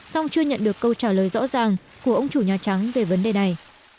song chưa nhận được câu trả lời rõ ràng của ông chủ nhà trắng về vấn đề này